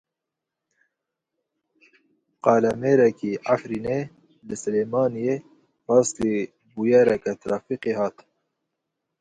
Kalemêrekî Efrînê li Silêmaniyê rastî bûyereke trafîkê hat.